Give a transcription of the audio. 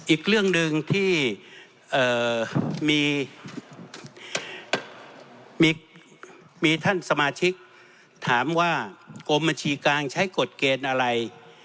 อีกเรื่องหนึ่งที่มีท่านสมาชิกถามว่ากรมบัญชีกลางใช้กฎเกณฑ์อะไร